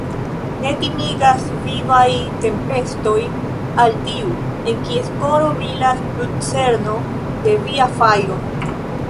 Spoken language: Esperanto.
Ne timigas vivaj tempestoj al tiu, en kies koro brilas lucerno de Via fajro.